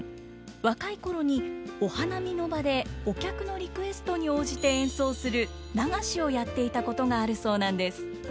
若い頃にお花見の場でお客のリクエストに応じて演奏する流しをやっていたことがあるそうなんです。